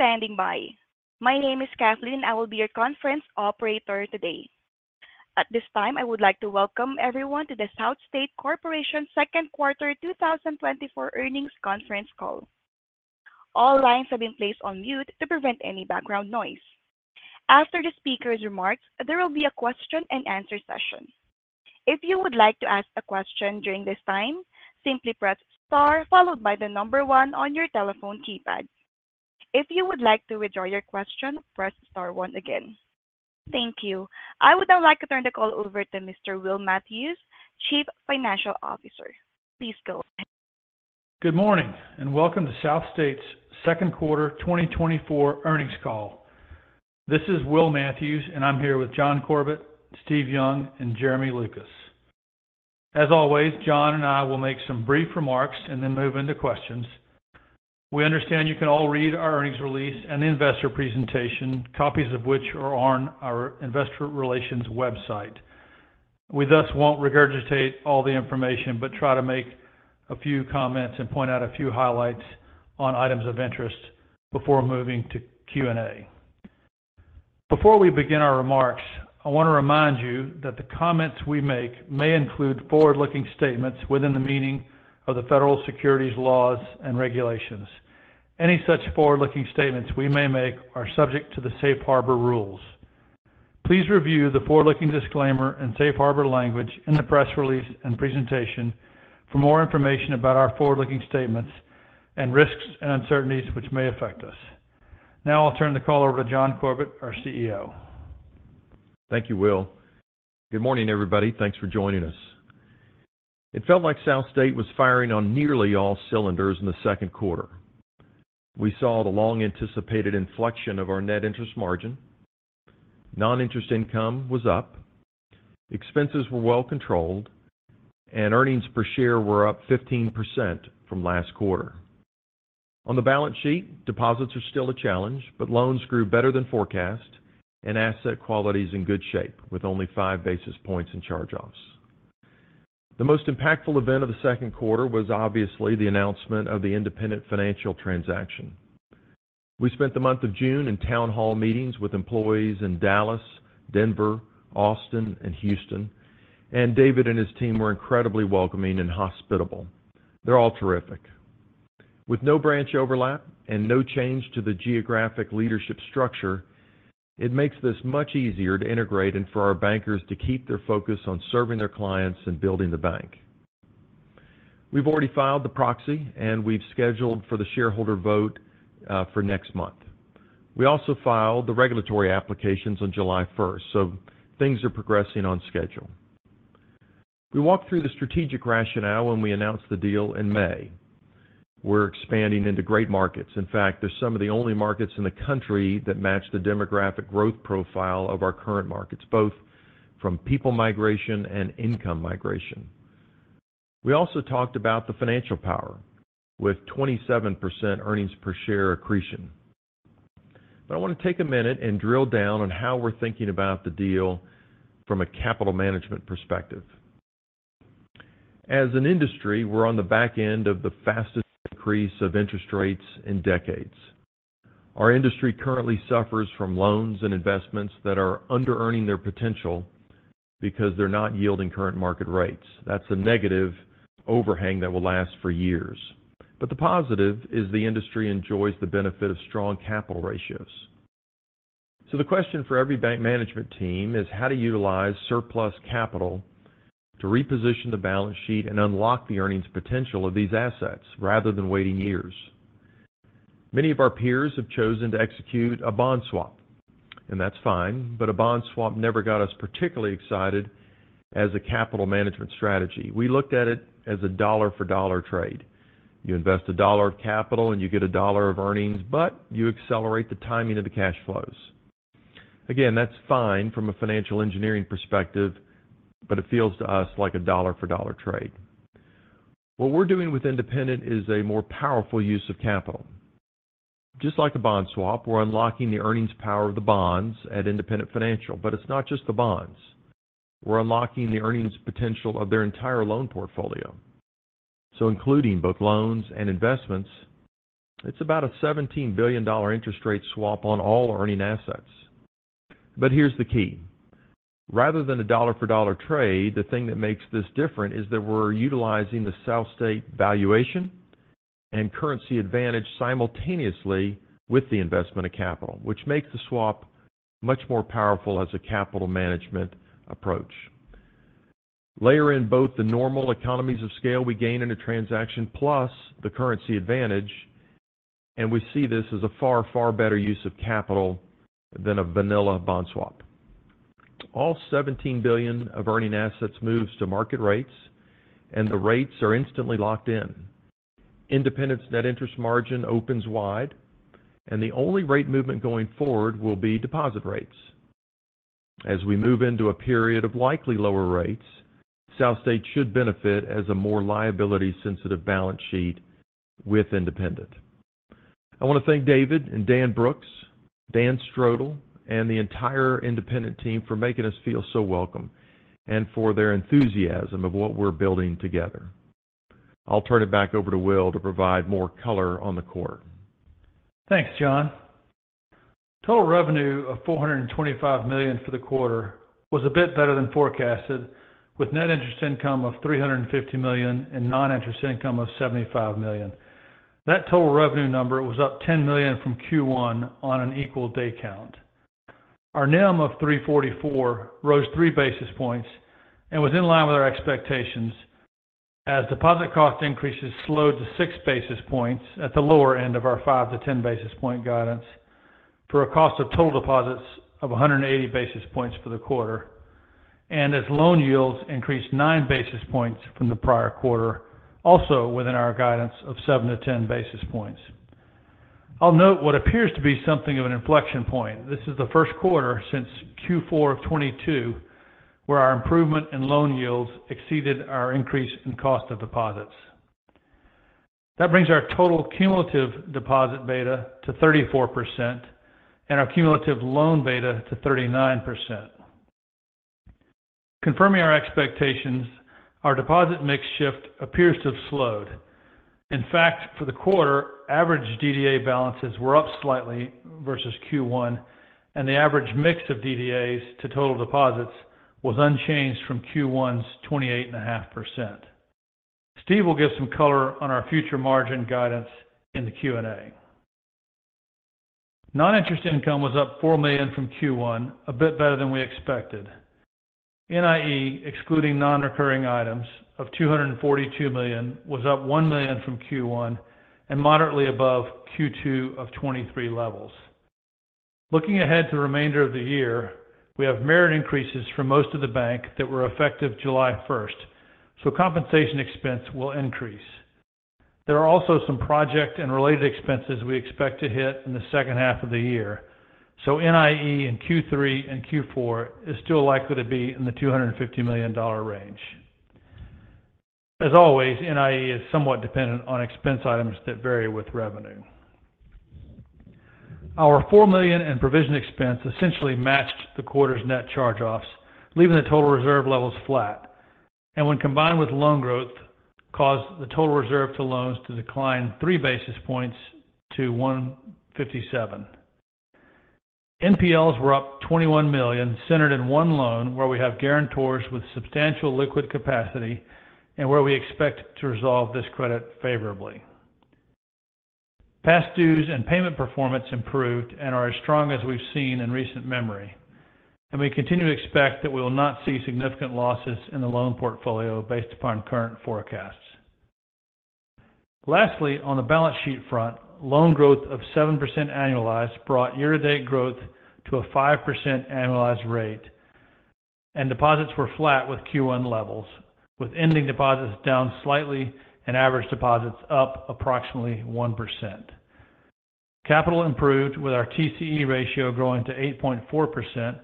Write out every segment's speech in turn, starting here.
Thank you for standing by. My name is Kathleen. I will be your conference operator today. At this time, I would like to welcome everyone to the SouthState Corporation Second Quarter 2024 Earnings Conference Call. All lines have been placed on mute to prevent any background noise. After the speaker's remarks, there will be a question-and-answer session. If you would like to ask a question during this time, simply press star followed by the number one on your telephone keypad. If you would like to withdraw your question, press star one again. Thank you. I would now like to turn the call over to Mr. Will Matthews, Chief Financial Officer. Please go ahead. Good morning and welcome to SouthState's Second Quarter 2024 Earnings Call. This is Will Matthews, and I'm here with John Corbett, Steve Young, and Jeremy Lucas. As always, John and I will make some brief remarks and then move into questions. We understand you can all read our earnings release and the investor presentation, copies of which are on our investor relations website. We thus won't regurgitate all the information but try to make a few comments and point out a few highlights on items of interest before moving to Q&A. Before we begin our remarks, I want to remind you that the comments we make may include forward-looking statements within the meaning of the federal securities laws and regulations. Any such forward-looking statements we may make are subject to the Safe Harbor rules. Please review the forward-looking disclaimer and Safe Harbor language in the press release and presentation for more information about our forward-looking statements and risks and uncertainties which may affect us. Now I'll turn the call over to John Corbett, our CEO. Thank you, Will. Good morning, everybody. Thanks for joining us. It felt like SouthState was firing on nearly all cylinders in the second quarter. We saw the long-anticipated inflection of our net interest margin. Non-interest income was up, expenses were well controlled, and earnings per share were up 15% from last quarter. On the balance sheet, deposits are still a challenge, but loans grew better than forecast, and asset quality is in good shape with only five basis points in charge-offs. The most impactful event of the second quarter was obviously the announcement of the Independent Financial transaction. We spent the month of June in town hall meetings with employees in Dallas, Denver, Austin, and Houston, and David and his team were incredibly welcoming and hospitable. They're all terrific. With no branch overlap and no change to the geographic leadership structure, it makes this much easier to integrate and for our bankers to keep their focus on serving their clients and building the bank. We've already filed the proxy, and we've scheduled for the shareholder vote for next month. We also filed the regulatory applications on July 1st, so things are progressing on schedule. We walked through the strategic rationale when we announced the deal in May. We're expanding into great markets. In fact, they're some of the only markets in the country that match the demographic growth profile of our current markets, both from people migration and income migration. We also talked about the financial power with 27% earnings per share accretion. But I want to take a minute and drill down on how we're thinking about the deal from a capital management perspective. As an industry, we're on the back end of the fastest increase of interest rates in decades. Our industry currently suffers from loans and investments that are under-earning their potential because they're not yielding current market rates. That's a negative overhang that will last for years. But the positive is the industry enjoys the benefit of strong capital ratios. So the question for every bank management team is how to utilize surplus capital to reposition the balance sheet and unlock the earnings potential of these assets rather than waiting years. Many of our peers have chosen to execute a bond swap, and that's fine, but a bond swap never got us particularly excited as a capital management strategy. We looked at it as a dollar-for-dollar trade. You invest a dollar of capital, and you get a dollar of earnings, but you accelerate the timing of the cash flows. Again, that's fine from a financial engineering perspective, but it feels to us like a dollar-for-dollar trade. What we're doing with Independent Financial is a more powerful use of capital. Just like a bond swap, we're unlocking the earnings power of the bonds at Independent Financial, but it's not just the bonds. We're unlocking the earnings potential of their entire loan portfolio. So including both loans and investments, it's about a $17 billion interest rate swap on all earning assets. But here's the key. Rather than a dollar-for-dollar trade, the thing that makes this different is that we're utilizing the SouthState valuation and currency advantage simultaneously with the investment of capital, which makes the swap much more powerful as a capital management approach. Layer in both the normal economies of scale we gain in a transaction plus the currency advantage, and we see this as a far, far better use of capital than a vanilla bond swap. All $17 billion of earning assets moves to market rates, and the rates are instantly locked in. Independent's net interest margin opens wide, and the only rate movement going forward will be deposit rates. As we move into a period of likely lower rates, SouthState should benefit as a more liability-sensitive balance sheet with Independent. I want to thank David and Dan Brooks, Dan Strodel, and the entire Independent team for making us feel so welcome and for their enthusiasm of what we're building together. I'll turn it back over to Will to provide more color on the quarter. Thanks, John. Total revenue of $425 million for the quarter was a bit better than forecasted, with net interest income of $350 million and non-interest income of $75 million. That total revenue number was up $10 million from Q1 on an equal day count. Our NIM of 344 rose three basis points and was in line with our expectations as deposit cost increases slowed to six basis points at the lower end of our five-to-ten basis point guidance for a cost of total deposits of 180 basis points for the quarter, and as loan yields increased nine basis points from the prior quarter, also within our guidance of seven-to-ten basis points. I'll note what appears to be something of an inflection point. This is the first quarter since Q4 of 2022 where our improvement in loan yields exceeded our increase in cost of deposits. That brings our total cumulative deposit beta to 34% and our cumulative loan beta to 39%. Confirming our expectations, our deposit mix shift appears to have slowed. In fact, for the quarter, average DDA balances were up slightly versus Q1, and the average mix of DDAs to total deposits was unchanged from Q1's 28.5%. Steve will give some color on our future margin guidance in the Q&A. Non-interest income was up $4 million from Q1, a bit better than we expected. NIE, excluding non-recurring items, of $242 million was up $1 million from Q1 and moderately above Q2 of 2023 levels. Looking ahead to the remainder of the year, we have merit increases for most of the bank that were effective July 1st, so compensation expense will increase. There are also some project and related expenses we expect to hit in the second half of the year, so NIE in Q3 and Q4 is still likely to be in the $250 million range. As always, NIE is somewhat dependent on expense items that vary with revenue. Our $4 million in provision expense essentially matched the quarter's net charge-offs, leaving the total reserve levels flat, and when combined with loan growth, caused the total reserve to loans to decline three basis points to 157. NPLs were up $21 million, centered in one loan where we have guarantors with substantial liquid capacity and where we expect to resolve this credit favorably. Past dues and payment performance improved and are as strong as we've seen in recent memory, and we continue to expect that we will not see significant losses in the loan portfolio based upon current forecasts. Lastly, on the balance sheet front, loan growth of 7% annualized brought year-to-date growth to a 5% annualized rate, and deposits were flat with Q1 levels, with ending deposits down slightly and average deposits up approximately 1%. Capital improved with our TCE ratio growing to 8.4%,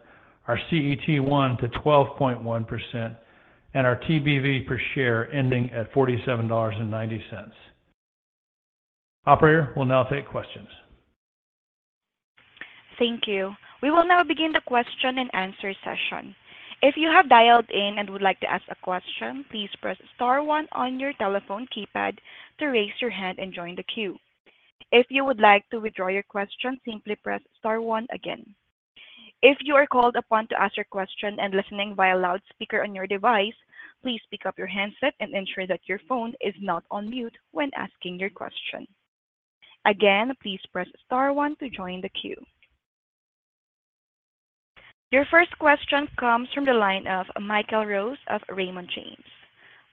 our CET1 to 12.1%, and our TBV per share ending at $47.90. Operator, we'll now take questions. Thank you. We will now begin the question-and-answer session. If you have dialed in and would like to ask a question, please press star one on your telephone keypad to raise your hand and join the queue. If you would like to withdraw your question, simply press star one again. If you are called upon to ask your question and listening via loudspeaker on your device, please pick up your handset and ensure that your phone is not on mute when asking your question. Again, please press star one to join the queue. Your first question comes from the line of Michael Rose of Raymond James.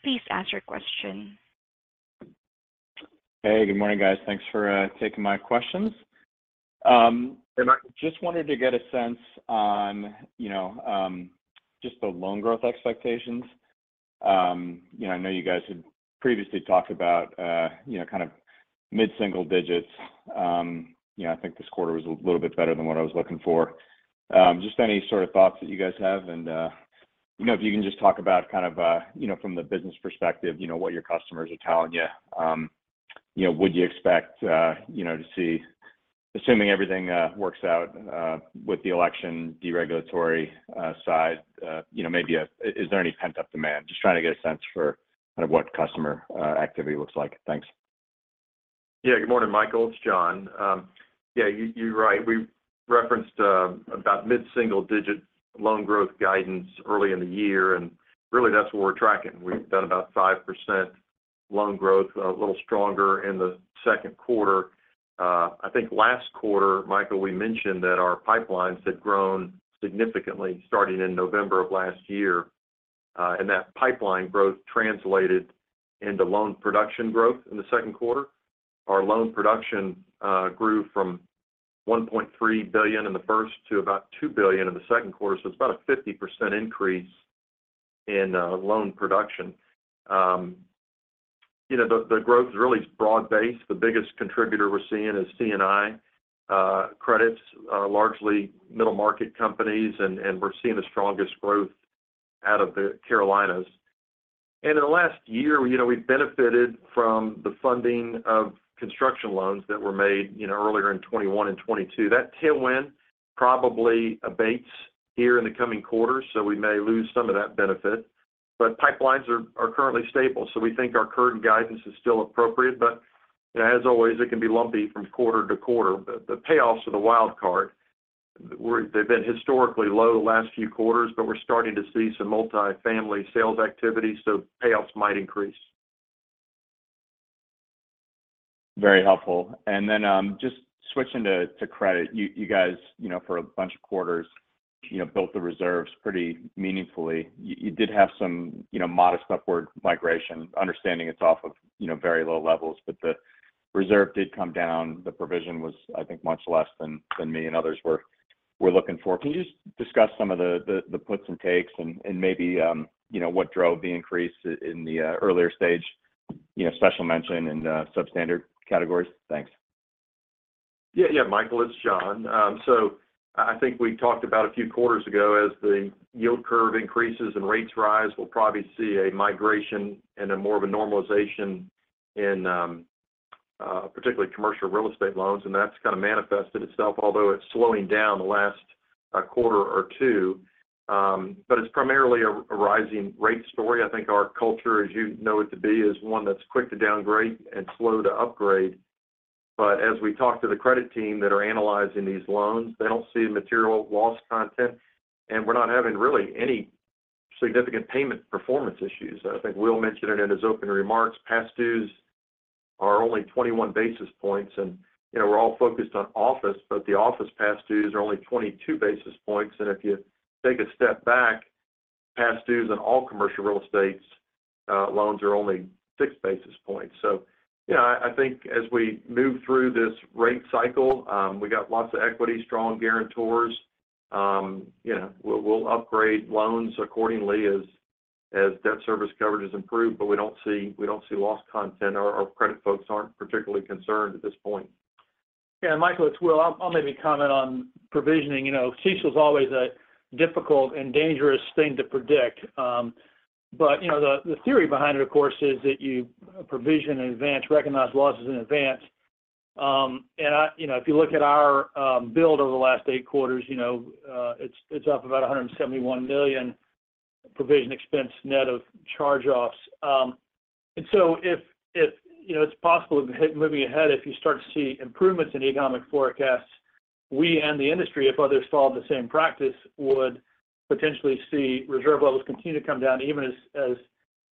Please ask your question. Hey, good morning, guys. Thanks for taking my questions. I just wanted to get a sense on just the loan growth expectations. I know you guys had previously talked about kind of mid-single digits. I think this quarter was a little bit better than what I was looking for. Just any sort of thoughts that you guys have, and if you can just talk about kind of from the business perspective, what your customers are telling you. Would you expect to see, assuming everything works out with the election, deregulatory side, maybe is there any pent-up demand? Just trying to get a sense for kind of what customer activity looks like. Thanks. Yeah, good morning, Michael. It's John. Yeah, you're right. We referenced about mid-single digit loan growth guidance early in the year, and really that's what we're tracking. We've done about 5% loan growth, a little stronger in the second quarter. I think last quarter, Michael, we mentioned that our pipelines had grown significantly starting in November of last year, and that pipeline growth translated into loan production growth in the second quarter. Our loan production grew from $1.3 billion in the first to about $2 billion in the second quarter, so it's about a 50% increase in loan production. The growth is really broad-based. The biggest contributor we're seeing is C&I credits, largely middle market companies, and we're seeing the strongest growth out of the Carolinas. And in the last year, we've benefited from the funding of construction loans that were made earlier in 2021 and 2022. That tailwind probably abates here in the coming quarter, so we may lose some of that benefit, but pipelines are currently stable, so we think our current guidance is still appropriate. But as always, it can be lumpy from quarter to quarter. The payoffs are the wild card. They've been historically low the last few quarters, but we're starting to see some multifamily sales activity, so payoffs might increase. Very helpful. And then just switching to credit, you guys, for a bunch of quarters, built the reserves pretty meaningfully. You did have some modest upward migration, understanding it's off of very low levels, but the reserve did come down. The provision was, I think, much less than me and others were looking for. Can you just discuss some of the puts and takes and maybe what drove the increase in the earlier stage, special mention in substandard categories? Thanks. Yeah, yeah, Michael, it's John. So I think we talked about a few quarters ago as the yield curve increases and rates rise, we'll probably see a migration and more of a normalization in particularly commercial real estate loans, and that's kind of manifested itself, although it's slowing down the last quarter or two. But it's primarily a rising rate story. I think our culture, as you know it to be, is one that's quick to downgrade and slow to upgrade. But as we talk to the credit team that are analyzing these loans, they don't see material loss content, and we're not having really any significant payment performance issues. I think Will mentioned it in his open remarks. Past dues are only 21 basis points, and we're all focused on office, but the office past dues are only 22 basis points. If you take a step back, past dues on all commercial real estate loans are only 6 basis points. I think as we move through this rate cycle, we got lots of equity, strong guarantors. We'll upgrade loans accordingly as debt service coverage has improved, but we don't see loss content. Our credit folks aren't particularly concerned at this point. Yeah, Michael, it's Will. I'll maybe comment on provisioning. CECL is always a difficult and dangerous thing to predict, but the theory behind it, of course, is that you provision in advance, recognize losses in advance. And if you look at our build over the last eight quarters, it's up about $171 million provision expense net of charge-offs. And so if it's possible to hit moving ahead, if you start to see improvements in economic forecasts, we and the industry, if others followed the same practice, would potentially see reserve levels continue to come down, even as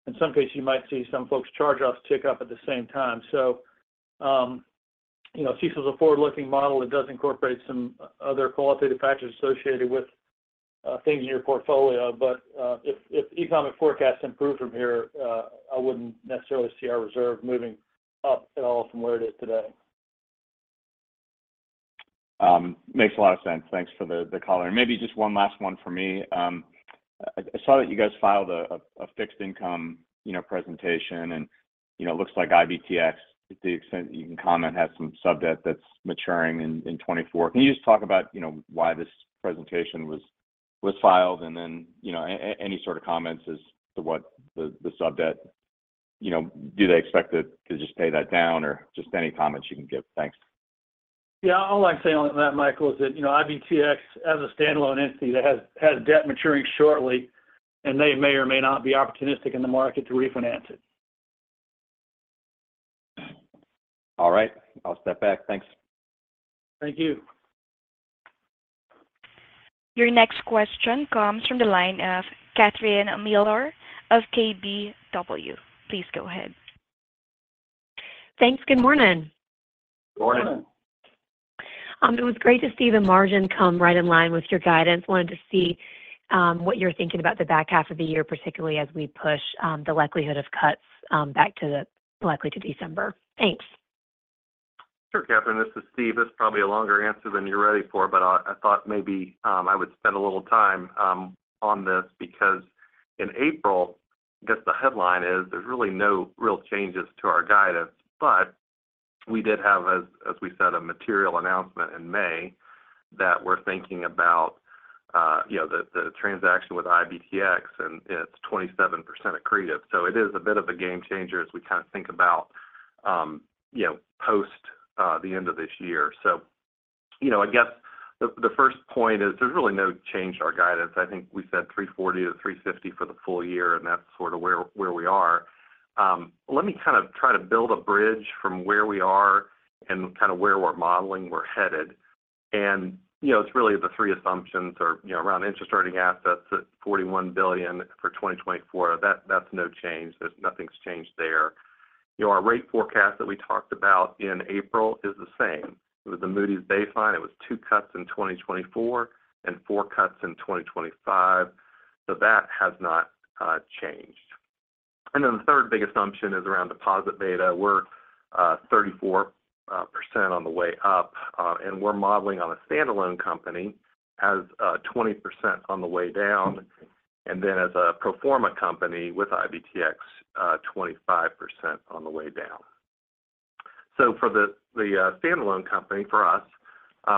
in some cases you might see some folks' charge-offs tick up at the same time. So CECL is a forward-looking model that does incorporate some other qualitative factors associated with things in your portfolio, but if economic forecasts improve from here, I wouldn't necessarily see our reserve moving up at all from where it is today. Makes a lot of sense. Thanks for the color. And maybe just one last one for me. I saw that you guys filed a fixed income presentation, and it looks like IBTX, to the extent that you can comment, has some subdebt that's maturing in 2024. Can you just talk about why this presentation was filed and then any sort of comments as to what the subdebt do they expect to just pay that down or just any comments you can give? Thanks. Yeah, all I'm saying on that, Michael, is that IBTX, as a standalone entity, has debt maturing shortly, and they may or may not be opportunistic in the market to refinance it. All right. I'll step back. Thanks. Thank you. Your next question comes from the line of Catherine Mealor of KBW. Please go ahead. Thanks. Good morning. Good morning. It was great to see the margin come right in line with your guidance. Wanted to see what you're thinking about the back half of the year, particularly as we push the likelihood of cuts back to likely to December? Thanks. Sure, Catherine. This is Steve. It's probably a longer answer than you're ready for, but I thought maybe I would spend a little time on this because in April, I guess the headline is there's really no real changes to our guidance, but we did have, as we said, a material announcement in May that we're thinking about the transaction with IBTX, and it's 27% accretive. So it is a bit of a game changer as we kind of think about post the end of this year. So I guess the first point is there's really no change to our guidance. I think we said 340-350 for the full year, and that's sort of where we are. Let me kind of try to build a bridge from where we are and kind of where we're modeling we're headed. It's really the three assumptions around interest-earning assets at $41 billion for 2024. That's no change. Nothing's changed there. Our rate forecast that we talked about in April is the same. It was the Moody's baseline. It was 2 cuts in 2024 and 4 cuts in 2025. So that has not changed. And then the third big assumption is around deposit beta. We're 34% on the way up, and we're modeling on a standalone company as 20% on the way down, and then as a pro forma company with IBTX, 25% on the way down. So for the standalone company for us,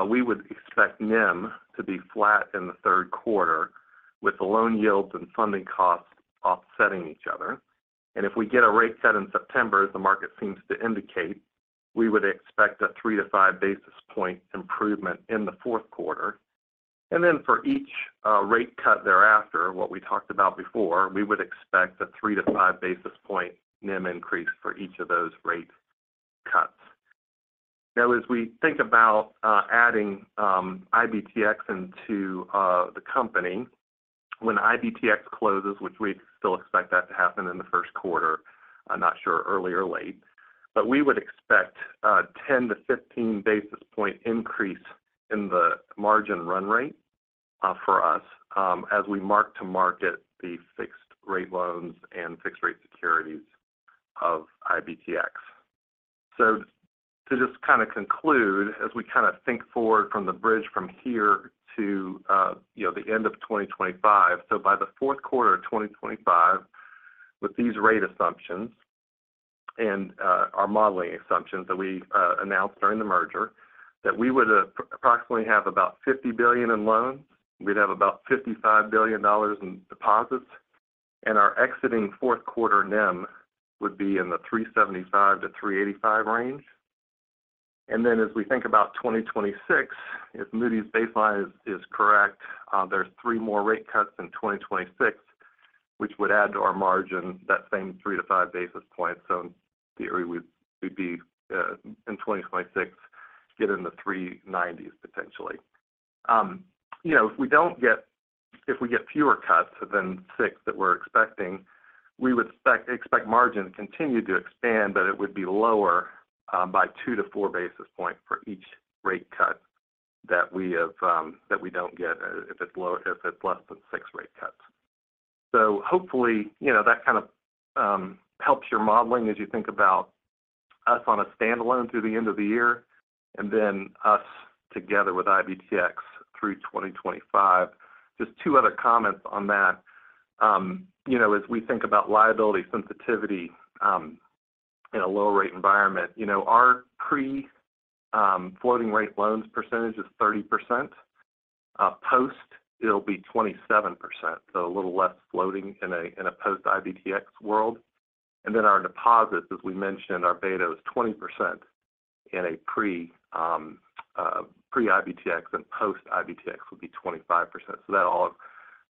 we would expect NIM to be flat in the third quarter with the loan yields and funding costs offsetting each other. If we get a rate cut in September, as the market seems to indicate, we would expect a 3-5 basis point improvement in the fourth quarter. Then for each rate cut thereafter, what we talked about before, we would expect a 3-5 basis point NIM increase for each of those rate cuts. Now, as we think about adding IBTX into the company, when IBTX closes, which we still expect that to happen in the first quarter, I'm not sure early or late, but we would expect a 10-15 basis point increase in the margin run rate for us as we mark to market the fixed rate loans and fixed rate securities of IBTX. So to just kind of conclude, as we kind of think forward from the bridge from here to the end of 2025, so by the fourth quarter of 2025, with these rate assumptions and our modeling assumptions that we announced during the merger, that we would approximately have about $50 billion in loans. We'd have about $55 billion in deposits, and our exiting fourth quarter NIM would be in the 375-385 range. And then as we think about 2026, if Moody's baseline is correct, there's 3 more rate cuts in 2026, which would add to our margin that same 3-5 basis points. So in theory, we'd be in 2026, get in the 390s potentially. If we get fewer cuts than 6 that we're expecting, we would expect margin to continue to expand, but it would be lower by 2-4 basis points for each rate cut that we don't get if it's less than six rate cuts. So hopefully, that kind of helps your modeling as you think about us on a standalone through the end of the year and then us together with IBTX through 2025. Just two other comments on that. As we think about liability sensitivity in a low-rate environment, our pre floating rate loans percentage is 30%. Post, it'll be 27%, so a little less floating in a post-IBTX world. And then our deposits, as we mentioned, our beta is 20% in a pre-IBTX and post-IBTX would be 25%. So that all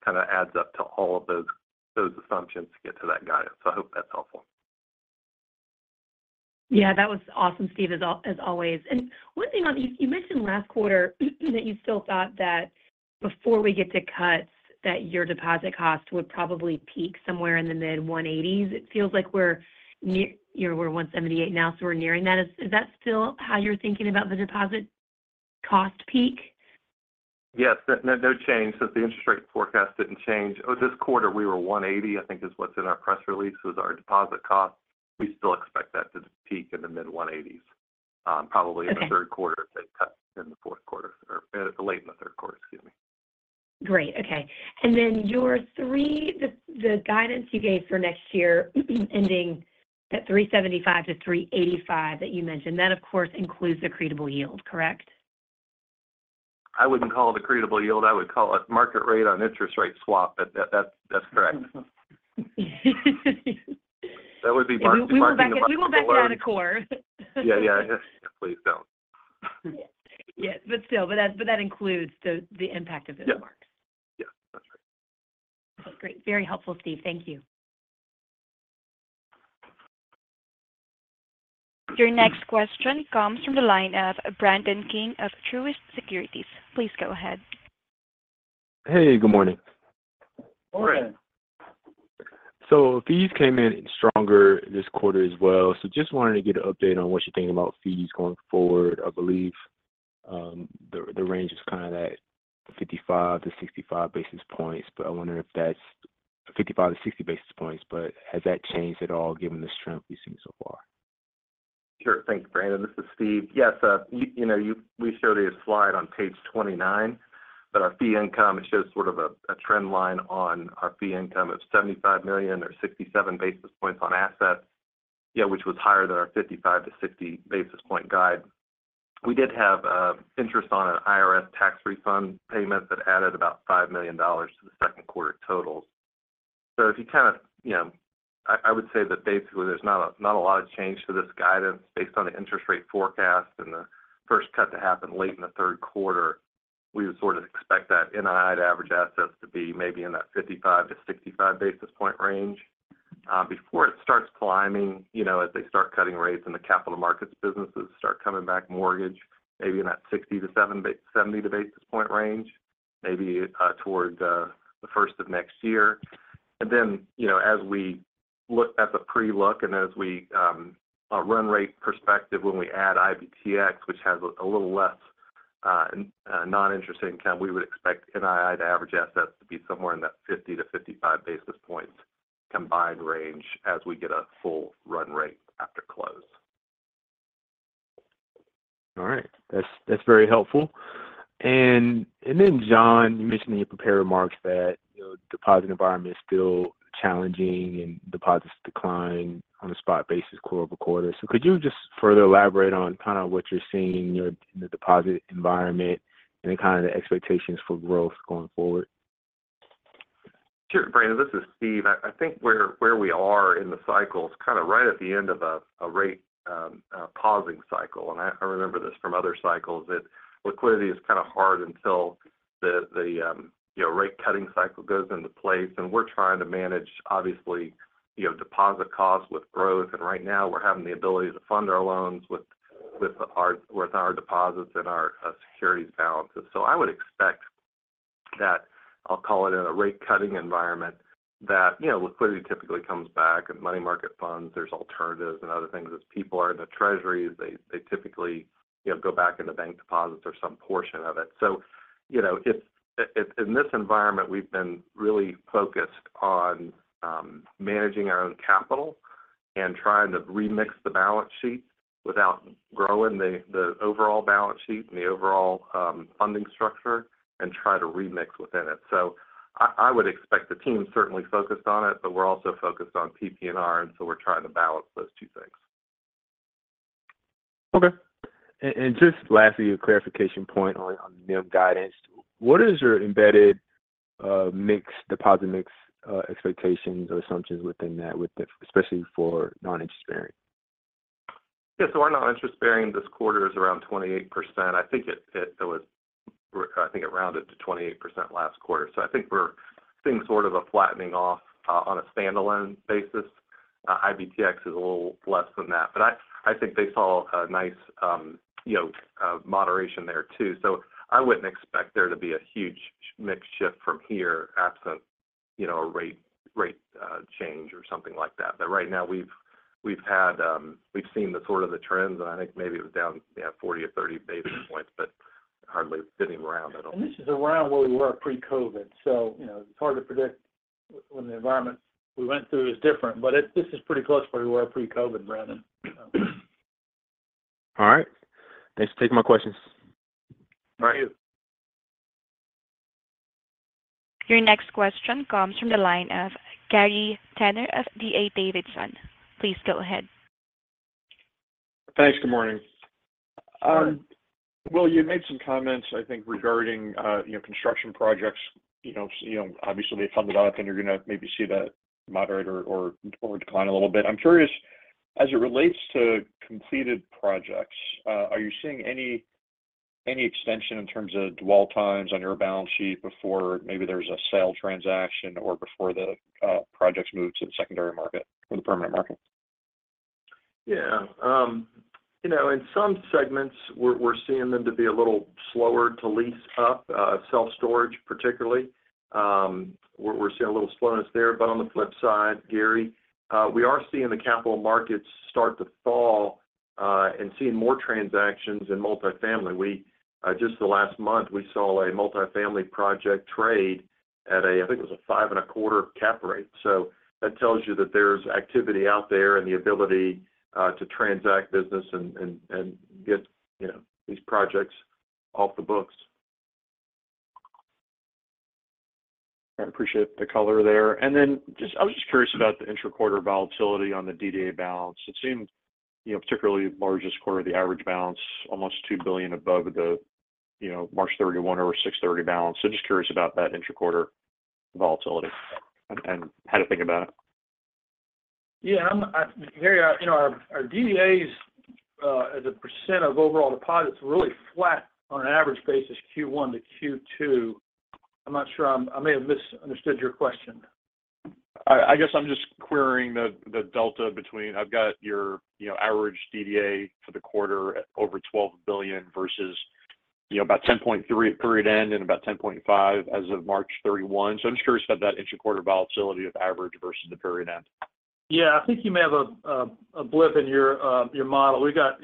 kind of adds up to all of those assumptions to get to that guidance. I hope that's helpful. Yeah, that was awesome, Steve, as always. And one thing, you mentioned last quarter that you still thought that before we get to cuts, that your deposit cost would probably peak somewhere in the mid-180s. It feels like we're near 178 now, so we're nearing that. Is that still how you're thinking about the deposit cost peak? Yes, no change. The interest rate forecast didn't change. This quarter, we were 180, I think, is what's in our press release, was our deposit cost. We still expect that to peak in the mid-180s, probably in the third quarter if they cut in the fourth quarter or late in the third quarter, excuse me. Great. Okay. And then the guidance you gave for next year ending at 375-385 that you mentioned, that, of course, includes accretable yield, correct? I wouldn't call it accretable yield. I would call it market rate on interest rate swap, but that's correct. That would be market. We will back down to core. Yeah, yeah. Please don't. Yes, but still, that includes the impact of those marks. Yeah. Yes, that's right. Okay. Great. Very helpful, Steve. Thank you. Your next question comes from the line of Brandon King of Truist Securities. Please go ahead. Hey, good morning. Morning. So fees came in stronger this quarter as well. So just wanted to get an update on what you're thinking about fees going forward. I believe the range is kind of that 55-65 basis points, but I wonder if that's 55-60 basis points, but has that changed at all given the strength we've seen so far? Sure. Thank you, Brandon. This is Steve. Yes, we showed a slide on page 29 that our fee income, it shows sort of a trend line on our fee income of $75 million or 67 basis points on assets, which was higher than our 55-60 basis point guide. We did have interest on an IRS tax refund payment that added about $5 million to the second quarter totals. So if you kind of, I would say that basically there's not a lot of change to this guidance based on the interest rate forecast and the first cut to happen late in the third quarter. We would sort of expect that NII to average assets to be maybe in that 55-65 basis point range. Before it starts climbing, as they start cutting rates and the capital markets businesses start coming back mortgage, maybe in that 60-70 basis point range, maybe toward the first of next year. And then as we look at the pre-look and as we run rate perspective, when we add IBTX, which has a little less non-interest income, we would expect NII to average assets to be somewhere in that 50-55 basis points combined range as we get a full run rate after close. All right. That's very helpful. Then, John, you mentioned in your prepared remarks that the deposit environment is still challenging and deposits decline on a spot basis quarter-over-quarter. Could you just further elaborate on kind of what you're seeing in the deposit environment and kind of the expectations for growth going forward? Sure, Brandon. This is Steve. I think where we are in the cycle is kind of right at the end of a rate pausing cycle. And I remember this from other cycles that liquidity is kind of hard until the rate cutting cycle goes into place. And we're trying to manage, obviously, deposit costs with growth. And right now, we're having the ability to fund our loans with our deposits and our securities balances. So I would expect that, I'll call it in a rate cutting environment, that liquidity typically comes back and money market funds, there's alternatives and other things. As people are in the treasuries, they typically go back into bank deposits or some portion of it. So in this environment, we've been really focused on managing our own capital and trying to remix the balance sheet without growing the overall balance sheet and the overall funding structure and try to remix within it. So I would expect the team certainly focused on it, but we're also focused on PPNR, and so we're trying to balance those two things. Okay. Just lastly, a clarification point on NIM guidance. What is your embedded mix deposit mix expectations or assumptions within that, especially for non-interest bearing? Yeah. So our non-interest bearing this quarter is around 28%. I think it was, I think it rounded to 28% last quarter. So I think we're seeing sort of a flattening off on a standalone basis. IBTX is a little less than that, but I think they saw a nice moderation there too. So I wouldn't expect there to be a huge mix shift from here absent a rate change or something like that. But right now, we've seen the sort of the trends, and I think maybe it was down 40 or 30 basis points, but hardly sitting around at all. This is around where we were pre-COVID. It's hard to predict when the environment we went through is different, but this is pretty close where we were pre-COVID, Brandon. All right. Thanks for taking my questions. All right. Your next question comes from the line of Gary Tenner of D.A. Davidson. Please go ahead. Thanks. Good morning. Well, you made some comments, I think, regarding construction projects. Obviously, they funded up, and you're going to maybe see that moderate or decline a little bit. I'm curious, as it relates to completed projects, are you seeing any extension in terms of dwell times on your balance sheet before maybe there's a sale transaction or before the projects move to the secondary market or the permanent market? Yeah. In some segments, we're seeing them to be a little slower to lease up self-storage, particularly. We're seeing a little slowness there. But on the flip side, Gary, we are seeing the capital markets start to thaw and seeing more transactions in multifamily. Just the last month, we saw a multifamily project trade at a, I think it was a 5.25 cap rate. So that tells you that there's activity out there and the ability to transact business and get these projects off the books. I appreciate the color there. Then I was just curious about the intra-quarter volatility on the DDA balance. It seemed particularly the largest quarter, the average balance, almost $2 billion above the March 31 or 6/30 balance. Just curious about that intra-quarter volatility and how to think about it. Yeah. Gary, our DDAs, as a percent of overall deposits, really flat on an average basis Q1 to Q2. I'm not sure. I may have misunderstood your question. I guess I'm just querying the delta between. I've got your average DDA for the quarter over $12 billion versus about $10.3 billion at end and about $10.5 billion as of March 31. So I'm just curious about that intra-quarter volatility of average versus the period end. Yeah. I think you may have a blip in your model. We've got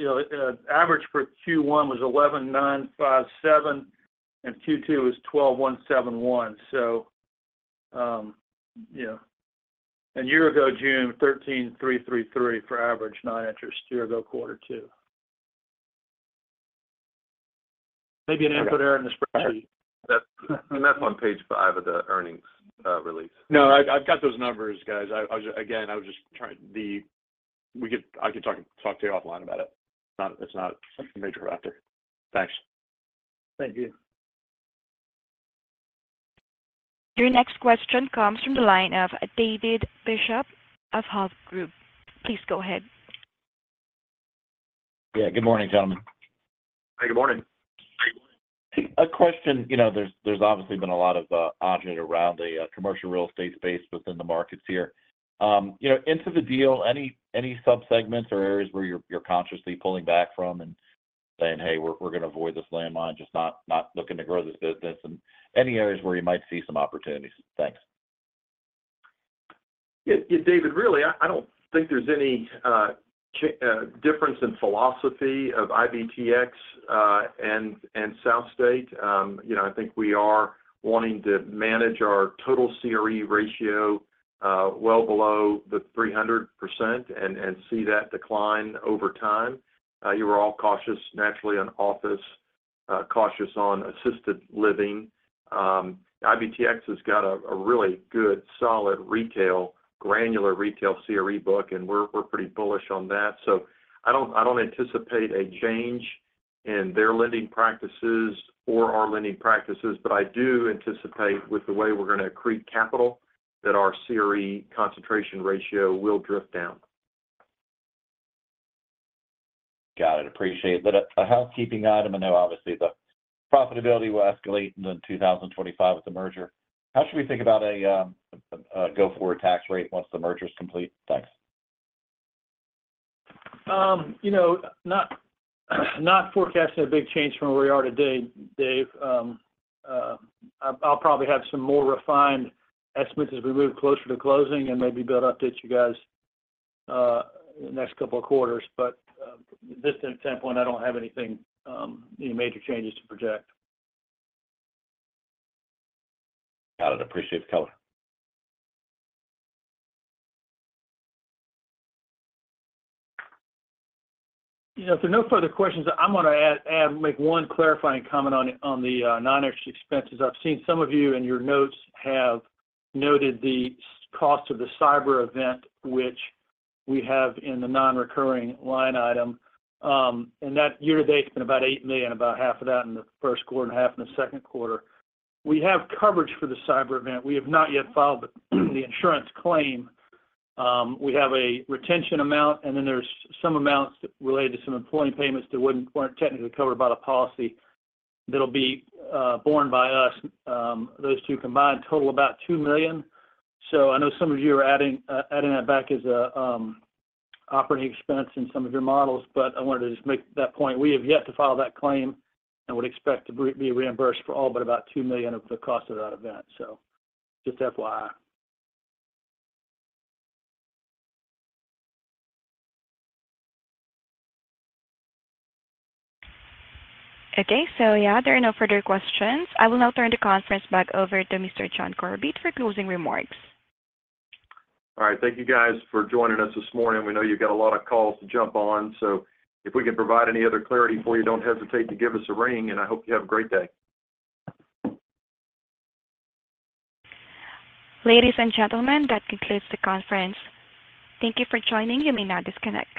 average for Q1 was $11,957 and Q2 was $12,171. So a year ago, June, $13,333 for average non-interest year ago quarter two. Maybe an input there in the spreadsheet. That's on page 5 of the earnings release. No, I've got those numbers, guys. Again, I was just trying to. We could talk to you offline about it. It's not a major factor. Thanks. Thank you. Your next question comes from the line of David Bishop of Hovde Group. Please go ahead. Yeah. Good morning, gentlemen. Hey, good morning. Hey, good morning. A question. There's obviously been a lot of ado around the commercial real estate space within the markets here. Into the deal, any subsegments or areas where you're consciously pulling back from and saying, "Hey, we're going to avoid this lending line, just not looking to grow this business"? And any areas where you might see some opportunities? Thanks. Yeah. David, really, I don't think there's any difference in philosophy of IBTX and SouthState. I think we are wanting to manage our total CRE ratio well below the 300% and see that decline over time. You were all cautious, naturally, on office, cautious on assisted living. IBTX has got a really good, solid retail, granular retail CRE book, and we're pretty bullish on that. So I don't anticipate a change in their lending practices or our lending practices, but I do anticipate with the way we're going to accrete capital that our CRE concentration ratio will drift down. Got it. Appreciate it. A housekeeping item, I know obviously the profitability will escalate in 2025 with the merger. How should we think about a go-forward tax rate once the merger is complete? Thanks. Not forecasting a big change from where we are today, Dave. I'll probably have some more refined estimates as we move closer to closing and maybe build updates you guys in the next couple of quarters. But at this time point, I don't have anything, any major changes to project. Got it. Appreciate the color. If there are no further questions, I'm going to add, make one clarifying comment on the noninterest expenses. I've seen some of you in your notes have noted the cost of the cyber event, which we have in the non-recurring line item. And that year-to-date has been about $8 million, about half of that in the first quarter and half in the second quarter. We have coverage for the cyber event. We have not yet filed the insurance claim. We have a retention amount, and then there's some amounts related to some employee payments that weren't technically covered by the policy that'll be borne by us. Those two combined total about $2 million. So I know some of you are adding that back as an operating expense in some of your models, but I wanted to just make that point. We have yet to file that claim and would expect to be reimbursed for all but about $2 million of the cost of that event. So just FYI. Okay. So yeah, there are no further questions. I will now turn the conference back over to Mr. John Corbett for closing remarks. All right. Thank you, guys, for joining us this morning. We know you've got a lot of calls to jump on. So if we can provide any other clarity for you, don't hesitate to give us a ring, and I hope you have a great day. Ladies and gentlemen, that concludes the conference. Thank you for joining. You may now disconnect.